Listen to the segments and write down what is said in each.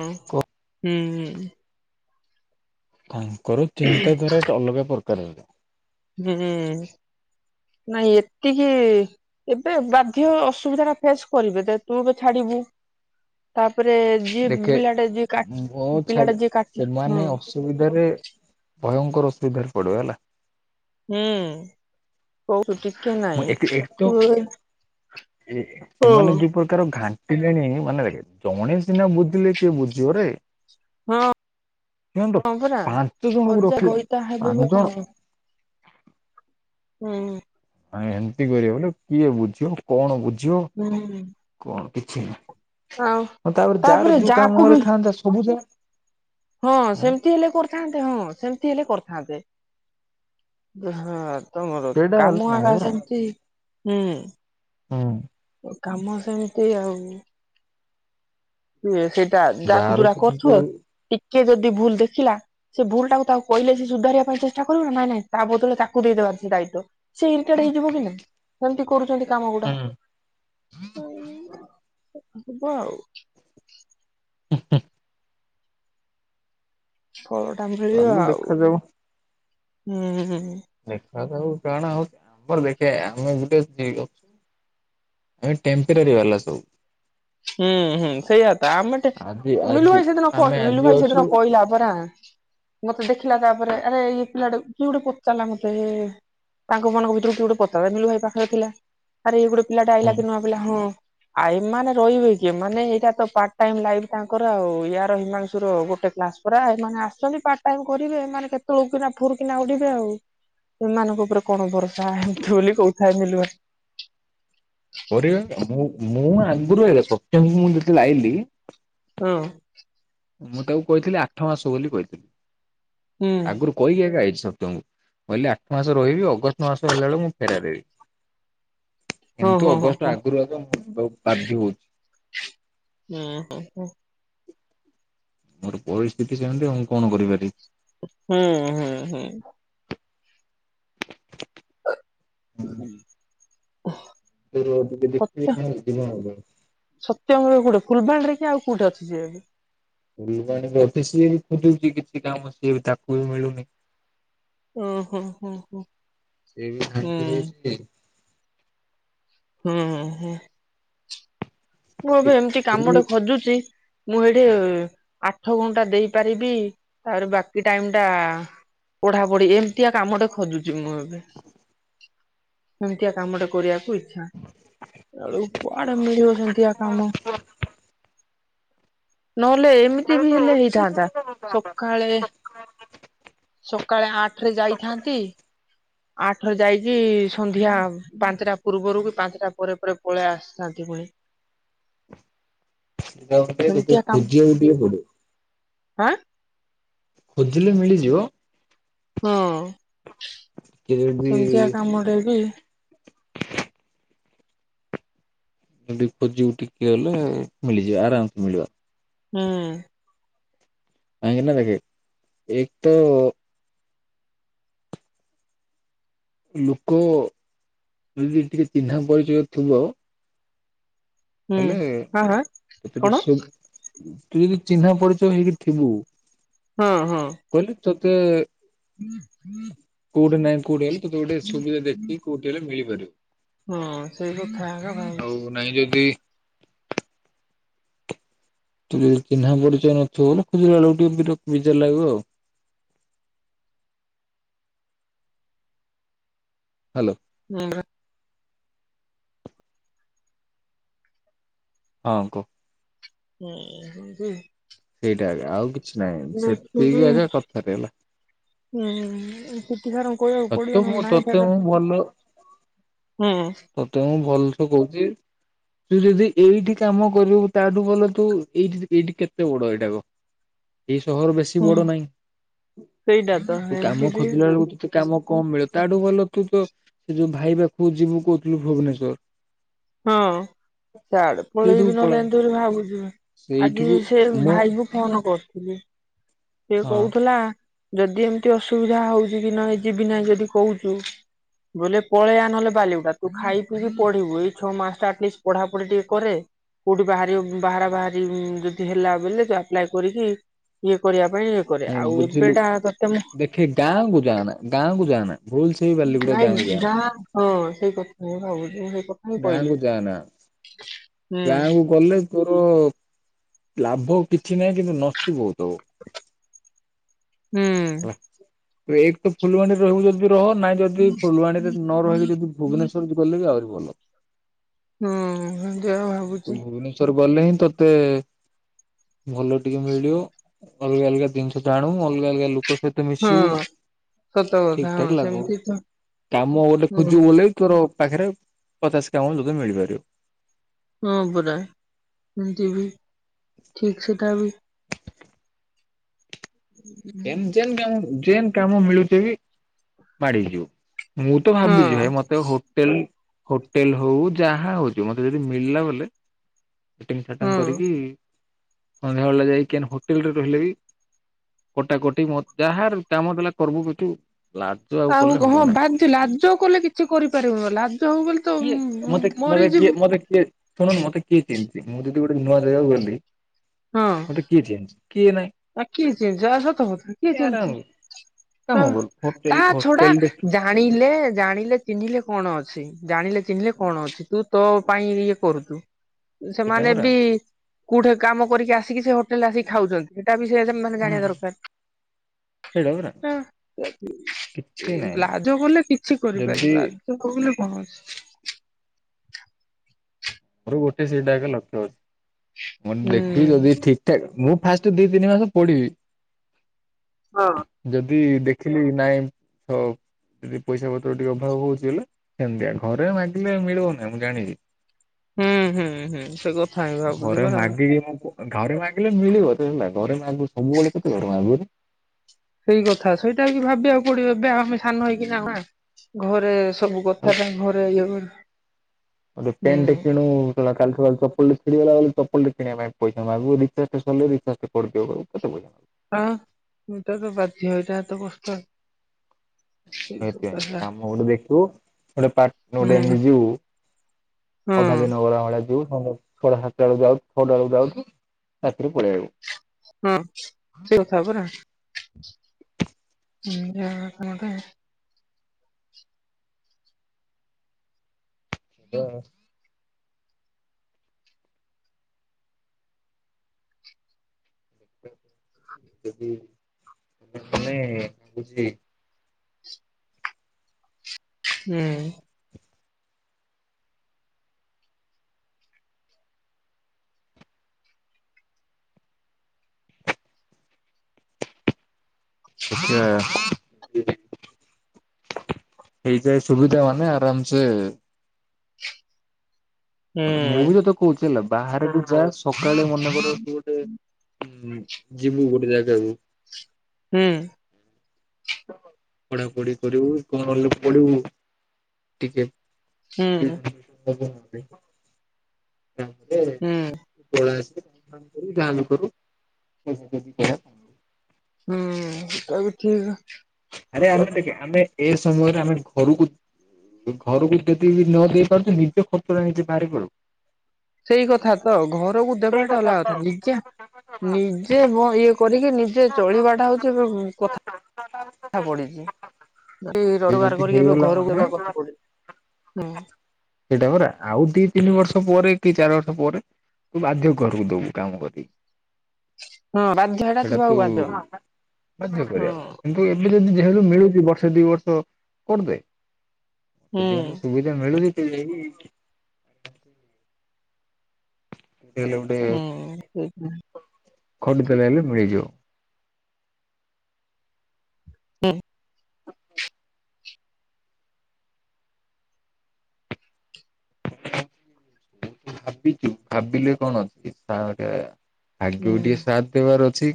ହଁ କ ହୁଁ ହୁଁ। ତାଙ୍କର ଚିନ୍ତାଧାରା ଟ ଅଲଗା ପ୍ରକାର। ହୁଁ। ନାଇଁ ଏତିକି ଏବେ ବାଧ୍ୟ ଅସୁବିଧା ଟା ଫେସ କରିବେ ଯେ ତୁ ଏବେ ଛାଡିବୁ ନି ତା ତାପରେ ଯିଏ ଦେଖେ ପିଲା ଟା ଯିଏ ମୋ କାଟ ଛାଡ ପିଲା ଟା ଯିଏ କାଟ ହୁଁ। ସେମାନେ ଅସୁବିଧାରେ ଭୟଙ୍କର ଅସୁବିଧାରେ ପଡ଼ିବ ହେଲା। ହୁଁ ବହୁତ ଟିକେ ମୁଁ ଏକ ଏକ ତ ନାହିଁ [unintelligible] ଏ ସେମାନେ ଯୋଉ ପ୍ରକାର ଘାଣ୍ଟ ଣ୍ଟିଲେଣି ମାନେ ଦେଖେ ଜଣେ ସିନା ବୁଝିଲେ କିଏ ବୁଝିବ ରେ ହଁ। ହଁ ପରା ପାଞ୍ଚ ଜଣଙ୍କୁ ହଜା ରଖିଲା ଘଇତା ପାଞ୍ଚ ହେବେ ଜଣ କଣ ହୁଁ। ଆଇଁ ଏମତି କରିବା ବୋଲେ କିଏ ବୁଝିବ କଣ ବୁଝିବ ହୁଁ କଣ କିଛି ନାହିଁ। ଆଉ ହଁ ତାପରେ ଯାହାର ଯୋଉ ଯାହାକୁ କାମ ବି ବୋଲେ ଥାନ୍ତା ସବୁ ଯା ହଁ ସେମିତି ହେଲେ କରିଥାନ୍ତେ ହଁ ସେମିତି ହେଲେ କରି ଥାନ୍ତେ ହଁ ତମର ସେଇଟା ହେଲେ କାମ ଏକା ସେମିତି ହୁଁ। ହଁ। କାମ ସେମିତି ଆଉ ସେ ସେଇଟା ଡାକ ଯାହାର ଦୁରା କେମିତି କରୁଥିକ କିଏ ଯଦି ଭୁଲ ଦେଖିଲା ସେ ଭୁଲ ଟାକୁ ତାକୁ କହିଲେ ସେ ସୁଧାରିବା ପାଇଁ ଚେଷ୍ଟା କରିବ ନାଇଁ ନାଇଁ ତା ବଦରେ ତାକୁ ଦେଇଦବ ଦାୟିତ ସେ ଇଡ ହେଇଯିବ କି ନ ସେମିତି କରୁଛନ୍ତି। କାମ ଗୁଡା ହବ ଆଉ। [inaudible] ଫଳ ଟାମ ଖେଳିବା ଚାଲୁ ଆଉ ଦେଖାଯାଉ ହୁଁ। ଦେଖ ହ କାଣା ହଉଛି ଆମର ଦେଖ ଆମେ ଗୋଟେ ଯଛୁ ଆ ଟେମ୍ପରାରୀ ବାଲା ସବୁ। ହୁଁ ହୁଁ ସେଇାତା ଆମେ ତ ଆଜି ମିଲୁ ଆଜି ଭାଇ ସେଦିନ କହ ଆମେ ମିଲୁ ଆଜି ଭାଇ ଅଛୁ ସେଦିନ କହିଲା ପରା ମତେ ଦେଖିଲା ତାପରେ ଆରେ ଇଏ ପିଲା ଟା କିଏ ଗୋଟେ ପଚାରିଲା ମତେ ତାଙ୍କ ମାନଙ୍କ ଭିତରୁ ଟିକେ ଗୋଟେ ପତା ମଳୁ ଭ ପାଖରେ ଥିଲା ଆରେ ଏଇ ଗୋଟେ ପିଲା ହୁଁ ଡାାଇଲା କି ନୂଆଁ ପିଲା ହଁ ଆଇମାନେ ରହିବେ କି ମାନେ ଏଇଟା ତ ପାର୍ଟ ଟାଇମ ଲାଇଫ ତାଙ୍କର ଆଉ ୟାର ହିମାଂଶୁର ଗୋଟେ କ୍ଲାସ ପରା ଆସନ୍ତି ପାର୍ଟ ଟାଇମ କରିବେ ମାନେ କେତେବେଳକୁ କିନା ଫୁରୁ କିନା ଉଡିବେ ଆଉ। ସେମାନଙ୍କ ଉପରେ କଣ ଭରସା ଏମିତି ବୋଲି କହୁଥାଏ ମିଲୁଆ। ମୁଁ ଆଗରୁ ସତ୍ୟଙ୍ଗଙ୍କୁ ମୁଁ ଯେତେ ଆଇଲି ହୁଁ। ମୁଁ ତାକୁ କହିଥିଲି ଆଠ ମାସ ବୋଲି କହିଥିଲି ହୁଁ। ଆଗରୁ କହିକି ଏକା ଏଇଠ ସବ କହିଲି ଆଠ ମାସ ରହିବି ଅଗଷ୍ଟ ମାସ ହେଲା ବେଳଳେ ମୁଁ ଫେରାର ହେବି। ହଁ ଏମତି ହଁ ହଁ ଅଗଷ୍ଟ ହଁ ଆଗରୁ ଆଗ ବଧ୍ୟାହାଉଛି ହୁଁ ହ ହ। ମୋର ପରିସ୍ଥିତି ସେମିତି ଆଁ କଣ କରିପାରିବି। ହୁଁ ହୁଁ ହୁଁ। ହୁଁ। [inaudible] ର କୋଉଟେ, ଫୁଲବାଣୀରେ କି ଆଉ କଉଠେ ଅଛି ଯିବା କି। ଫୁଲବାଣୀରୁ ଅଫିସ ଯ ଖୋଜୁଛି, କିଛି କାମ ସିଏ ବି ତାକୁ ବି ମିଳୁନି। ଉଁ ହୁଁ ହୁଁ ହୁଁ ସେ ବି ଶାନ୍ତି ହଉଛି। ହୁଁ ହଁ। ମୁଁ ଏବେ ଏମିତି କାମଟେ ଖୋଜୁଛି ମୁଁ ଏଇଠି ଆଠ ଘଣ୍ଟା ଦେଇପାରିବି। ତାପରେ ବାକି ଟାଇମ ଟା ପଢା ପଢି ଏମିତିଆ କାମଟେ ଖୋଜୁଛି ମୁଁ ଏବେ। ସେମିତିଆ କାମ ଟା କରିବାକୁ ଇଚ୍ଛା। ବେଳକୁ କୁଆଡେ ମିଳିବ ସେମତି ହଁ ହଁ। ନହେଲେ, ଏମିତି ବି ହେଲେ ହେଇଥାନ୍ତା। ସକାଳେ ସକାଳେ ଆଠ ରେ ଯାଇଥାନ୍ତି, ଆଠ ଯାଇକି, ସନ୍ଧ୍ୟା ପାଞ୍ଚଟା ପୂର୍ବରୁ କି ପାଞ୍ଚଟା ପରେ ପରେ ପଳେଇ ଆସିଥାନ୍ତି। ଏ ସେଟାେ, ତୋତେ ଖଜିବାକୁ ଟିଏ ପଡିବ। ହାଁ। ଖୋଜିଲେ ମିଳିଯିବ। ହଁ, ଟିକେ ଯଦି ସେମିତିଆ କାମରେ ବି ଖୋଜିବୁ ଟିକେ ହେଲେ ମିଳିଯିବ ଆରାମସେ ମିଳିଯିବ। ହୁଁ। କାହିଁକିନା ଦେଖ, ଏକ ତ ଲୋକ, ଯଦି ଟିକେ ଚିହ୍ନା ପରିଚୟ ଥିବ ହୁଁ ହେଲେ ହଁ ହଁ କଣ? [unintelligible] ତୁ - ଚିହ୍ନା ପରିଚୟ ହେଇକି ଥିବୁ ହଁ, ହଁ। [unintelligible] [unintelligible] କଉଠି ହେଲେ, ତୋତେ ଗୋଟେ ସୁବିଧା ଦେଖି, କୋଉଠି ହେଲେ ମିଳିପାରିବ। ହଁ ସେଇ କଥା ଏକା ଆଉ [unintelligible] ନାଇଁ ଯଦି ତୁ ଯଦି ଟିକେ ଚିହ୍ନା ପରିଚୟ ନଥିବୁ, ହେଲେ ଖୋଜିଲା ବେଳେ ଟିକେ ବି ବିଜାର ଲାଗିବ ଆଉ। ହ୍ୟାଲୋ। [unintelligible] ହଁ କହ। [unintelligible] ସେଇଟା ଆଜ୍ଞା। ଆଉ କିଛି ନାହିଁ। ଦେଖିକି ସେତିକି ଆଜ୍ଞା କଥାରେ ହେଲା। ହୁଁ ପିଟି ସାର୍ ଙ୍କୁ କହିବାକୁ ପଡିବ ତତେ ନହେଲେ ମୁଁ, ନାଇଁ ତତେ ସାର୍ ମୁଁ ଭଲ, ହୁଁ ତତେ ମୁଁ ଭଲ ଶ କହୁଛି। ତୁ ଯଦି ଏଇଠି କାମ କରିବୁ, ତାଠୁ ଭଲ ତୁ ଏଇଠି, ଏଇଠି କେତେ ବଡ ଏଇଟାକୁ [inaudible] ଏଇ ସହର ବେଶୀ ହୁଁ ବଡ ନାହିଁ। ସେଇଟା ତ ତୁ କାମ ଏମିତି ବି ଖୋଜିଲା ବେଳକୁ [unintelligible] ତମ କମ ମିଳ ତାଠୁ ଭଲ ତୁ ତ। ସେ ଯୋଉ ଭାଇ ପାଖକୁ ଯିବୁ କହୁଥିଲୁ ଭୁବନେଶ୍ଵର। ହଁ, ସିଆଡେ ସେଇଠିକୁ ପଳେଇବି ପଳା ନହେଲେ ଏମିତି ବୋଲି ଭାବୁଛି। ଆଜି ସେଇଠିକୁ ସେ ମୋ ଭାଇକୁ ଫୋନ କରୁଥିଲି, ସେ ହଁ କହୁଥିଲା ଯଦି ଏମିତି ଅସୁବିଧା ହଉଛି, କି ନହେ ଯିବି ନାହିଁ ଯଦି କହୁଛୁ ବୋଇଲେ ପଳେଇଆ ନହେଲେ ବାଲିଗୁଡା। ତୁ ଖାଇ ପିିଇ ପଢିବୁ ଏଇ ଛଅ ମାସ ଆଟଲିଷ୍ଟ ପଢାପଢି ଟିକେ କରେ। କୋଉଠି ବାହାରିବ ବାହାରା ବାହାରି ଯଦି ହେଲା, ବୋଇଲେ ଆପ୍ଲାଏ କରିକି ଇଏ କରିବା। ପାଇଁ ଇଏ କରେ ଆଇ ଆଉ ବୁଝିଲୁ, ଏବେଟା ତତେ ମୁଁ ଦେଖେ ଗାଁ କୁ ଯାଆନା, ଗାଁ କୁ ଯାଆନା, ଭୁଲ ସେଇ ବାରିଲୁ ଗୋଟେ [unintelligible] ଗାଁ କହିଲି କୁ ଯାଆନା ହୁଁ ଗାଁ କୁ ଗଲେ। ତୋର ଲାଭ କିଛି ନାହିଁ କିନ୍ତୁ ନଷ୍ଟି ବହୁତ ହବ। ହୁଁ। ହେଲା। ଏକ ତ ଫୁଲବାଣୀରେ ରହିବୁ ଯଦି ରହ ନାଇଁ ଯଦି ଫୁଲବାଣୀରେ ନ ରହିବୁ ଯଦି ଭୁବନେଶ୍ୱର ଗଲେ ବି ଆହୁରି- ଭଲ। ହୁଁ ସେମିତି ଏକା ତୁ ଭାବୁଛି। ଭୁବନେଶ୍ଵର ଗଲେ ହିଁ ତତେ- ଭଲ ଟିକେ ମିଳିବ ଅଲଗା ଅଲଗା ଜିନିଷ ଜାଣିବୁ ଅଲଗା ଅଲଗା ଲୋକ। ସହିତ ମିଶିବୁ। ହଁ ସତ ଠିକ କଥା ଠାକ୍ ହଁ ଲାଗିବ। ସେମିତି ତ କାମ ଗୋଟେ ହୁଁ। ଖୋଜିବ ବୋଲେ ତୋର- ପାଖରେ ପଚାଶ କାମ ତୋତେ ମିଳିପାରିବ। ହଁ ପରା ଏମିତି ବି ଠିକ ସେଟା ବି। ଏମ ଯେମ କାମ ଯେମ କାମ ମିଳୁଛି ବି ମାଡି ଯିବ। ମୁଁ ତ ହଁ ଭାବିଛି ଭାଇ ମତେ ହୋଟେଲ- ହୋଟେଲ ହଉ ଯାହା ହଉଛି ହଉ ମୋତେ ଯଦି ମିଳିଲା ବଲେ- ଫିଟିଙ୍ଗ ଫାଟଙ୍ଗ ହଁ। କରିକି ସନ୍ଧ୍ୟା ବେଳେ ଯାଇକି କେନ ହୋଟେଲରେ ରହିଲେ ବି- କଟାକଟି ମ ଯାହାର କାମ ଦେଲା କରିବୁ କହିକି। ଆ ହଁ ବାଜ ଲାଜ କଲେ କିଛି କରିପାରିବ ଲାଜ ହଉ ବୋଲି ତ ମରିଯିବ। କିଏ ମୋତେ କିଏ? ଶୁଣୁନ ମୋତେ କିଏ ଚିହ୍ନିଛି ମୁଁ ଯଦି ଗୋଟେ ନୂଆ ଜାଗାକୁ ଗଲି ହଁ ମୋତେ କିଏ ଚିହ୍ନିଛି? ଆ କିଏ ଚିହ୍ନିଛି ଆଉ ସତ କଥା କିଏ ୟାର ଚିହ୍ନିଛି? କାମ ହଁ କରୁ ହୋଟେଲ ତା ଛଡା ହୋଟେଲ ଦେ ଜାଣିଲେ ଜାଣିଲେ ଚିହ୍ନିଲେ। କଣ ଅଛି? ଜାଣିଲେ ଚିହ୍ନିଲେ କଣ ଅଛି? ତୁ ତୋ ପାଇଁ ଇଏ କରୁଛୁ। ସେଇଟା ସେମାନେ ପରା ବି କୋଉଠି କାମ କରିକି ଆସିକି ସେ ହୋଟେଲରେ ଆସିକି ଖାଉଛନ୍ତି। ସେଇଟା ବି- ସେ ସେମାନେ ଜାଣିବା ହୁଁ ଦରକାର। [unintelligible] ନାହିଁ ଲାଜ କଲେ କିଛି ଯଦି କରିପାରିବୁନି। ଲାଜ କଲେ- ହଁ। ମୋର ଗୋଟେ ସେଇଟା ଏକ ଲକ୍ଷ ଅଛି। ମୁଁ ହୁଁ। ଦେଖିକି ଯଦି ଠିକଠାକ୍ ମୁଁ- ଫାଷ୍ଟ ଦି ତିନି ମାସ ପଢ଼ିବି। ହଁ। ଯଦି ଦେଖ- ଦେଖିଲି ନାଇଁ। ହଉ। ଯଦି ପଇସା ପତ୍ର ଟିକେ ଅଭାବ ହଉଛି ହେଲେ ସେମିତିଆ ଘରେ ମାଗିଲେ ମିଳିବ ନାହିଁ ମୁଁ ଜାଣିଛିି। ହୁଁ ହୁଁ ହୁଁ। ସେ କଥା ହିଁ ଭାବୁଛି ଘରେ ପରା ମୁଁ। ମାଗିକି ଘରେ ମାଗିଲେ ମିଳିବ ତ ହେଲା ଘରେ ମାଗିବୁ ସବୁବେଳେ କେତେ ଘରେ ମାଗିବୁ। ସେଇ କଥା ସେଇଟା କି ଭାବିବାକୁ ପଡିବ ଏବେ ଆଉ ଆମେ ସାନ ହେଇକି ନାହୁଁ ନା ଘରେ। ସବୁ ଆଉ କଥା କାଇଁ ଘରେ ଇଏ କରିବୁ। ଗୋଟେ ପେଣ୍ଟ କିଣୁବୁ କହିଲାରୁ। କାଲି ସକାଳେ ଚପଲଟେ ଛିଡ଼ିଗଲା ବଲେ ଚପଲଟେ କିଣିବା ପାଇଁ ପଇସା ମାଗିବୁ ରିଚାର୍ଜଟେ ସରିଲେ ରିଚାର୍ଜଟେ କରିିଦିଅ କହିବୁ କେତେ କହିବୁ। ହଁ ଏଇଟା ତ ବାଧିବ। ଏଇଟା ତ କଷ୍ଟ। ସେଇ [unintelligible] ସବୁ କଥା [unintelligible] ହଁ ଛଟା ହୁଁ ସାତଟା ବେଳକୁ ହଁ ଯାଉ ଛଅଟା ବେଳକୁ ଯାଉୁଛୁ ରାତିରେ ପଳେଇ ଆଇବୁ। ହଁ ସେ କଥା ପରା। ହଁ ସେଇ କଥା ବୋଧେ। ହୁଁ। [unintelligible] ମାନେ କିଛି ହୁଁ। ଆଛା ଇଏ ହେଇଯାଏ ସୁବିଧା ମାନେ ଆରାମ ସେ ହୁଁ ମୁଁ ବି ତତେ କୋହୁଚି ହେଲା ବାହାରକୁ ଯା ସକାଳେ ମନେକର ତୁ ଗୋଟେ ହୁଁ ଯିବି ଗୋଟେ ଜାଗାକୁୁ। ହୁଁ। ପଢା ପଢି କରିବୁ କଣ ପଢ଼ିବୁ ଟିକେ? ହୁଁ [unintelligible] ତାପରେ ହୁଁ ହୁଁ [unintelligible] [inaudible] ଯାହାବି କରୁ ପଇସା ଦି ପଇସା କମଉଚି। ହୁଁ ସେଇଟା ବି ଠିକ। ଆରେ ଆମେ ଦେଖ ଆମେ ଏ ସମୟରେ ଆମେ ଘରକୁ ଘରକୁ ଯଦି ବି ନଦେଇ ପାରୁଚୁ ନିଜେ ଖର୍ଚ୍ଚ ନିଜେ ବାହାରି ପଡୁ। ସେଇ କଥା ତ ଘରକୁ ଦେବାଟା ଅଲଗା କଥା ନିଜେ ନିଜେ ବ ଇଏ କରିକି ନିଜେ ଚଳିବାଟା ହୋଉଚି କଥା। ନିଜେ ଯଦି ହେଇଗଲା ମାନେ [unintelligible] ହୁଁ। ସେଇଟା ପରା ଆଉ ଦି ତିନି ବର୍ଷ ପରେ କି ଚାରି ବର୍ଷ ପରେ ତୁ ବାଧ୍ୟ ଘରକୁ ଦୋବୁ କାମ କରିକି। ହଁ ବାଧ୍ୟ ହେଟା ସେଟା ଥିବାକୁ ତୁ ବାଧ୍ୟ ବାଧ୍ୟ ହଁ କରିବା ପାଇଁ କିନ୍ତୁ ଏବେ ଯଦି ଯେହେତୁ ମିଳୁଚି ବର୍ଷେ ଦି ବର୍ଷ କରିଦେ ହୁଁ ସେଠି ଯଦି ସୁବିଧା ମିଳୁଚି [unintelligible] କୋଉଠି ହେଲେ ହୁଁ ସେଇ [unintelligible] ଫୋନ୍ କଲେ ହେଲେ ମିଳିଯିବ। ହୁଁ। [unintelligible] ଆଗକୁ ଟିକେ ସାଥ ଦେବାର ଅଛି।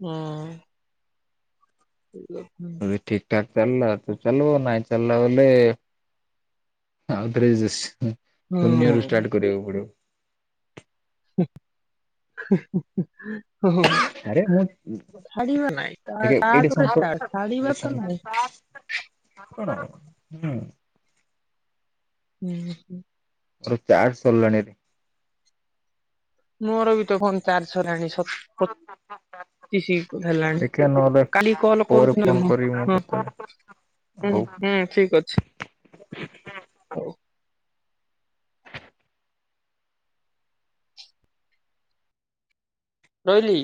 ହୁଁ। [unintelligible] ଗାଡି ଚାଲିଲା ତ ଚାଲୋ ନାଇଁ ଚାଲିଲା ବୋଇଲେ ଆଉ ଥରେ ଶୂନ୍ୟ ରୁ ଷ୍ଟାର୍ଟ କରିବାକୁ ପଡିବ। ଆରେ ମୁଁ [inaudible] ଛାଡିବା ନାଇଁ ଦେଖେ ଏଇଠି ଷ୍ଟାର୍ଟ ପରେ ସମ୍ପ ଷ୍ଟାର୍ଟ ଏ ଛାଡିବା ତ ନାଇଁ। [inaudible] କଣ ହୁଁ। ହୁଁ ହୁଁ। ମୋର ଚାର୍ଜ ସରିଲାଣିରେ। ମୋର ବି ତ କଣ ଚାର୍ଜ ସରିଲାଣି ସ [unintelligible] ତେଇସି ହେଲାଣି ଦେଖିବା ନହେଲେ କାଲି କଲ ପରେ କରୁଚି ଫୋନ ନହେଲେ ମୁଁ କରିବି କେତେବେଳେ ହଁ। ହଉ ହୁଁ ହୁଁ ଠିକ ଅଛି ହଉ। ରହିଲି।